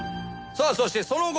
さあそしてその後。